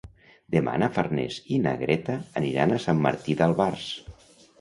Demà na Farners i na Greta aniran a Sant Martí d'Albars.